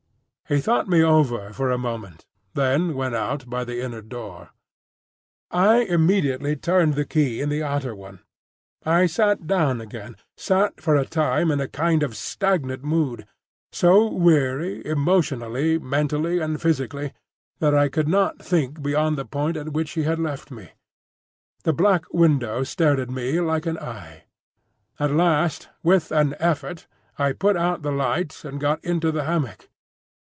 He thought me over for a moment, then went out by the inner door. I immediately turned the key in the outer one. I sat down again; sat for a time in a kind of stagnant mood, so weary, emotionally, mentally, and physically, that I could not think beyond the point at which he had left me. The black window stared at me like an eye. At last with an effort I put out the light and got into the hammock.